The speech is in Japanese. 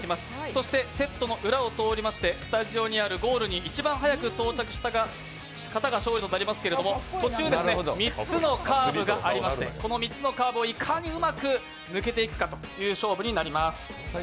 そしてセットの裏を通ってスタジオにあるゴールに一番速く到着した方が勝者となりますけれども、途中、３つのカーブがありまして、この３つのカーブをいかにうまく抜けていくかという勝負になります。